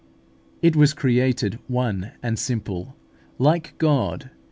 It was created one and simple, like God.